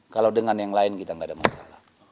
kalau dengan yang lain kita nggak ada masalah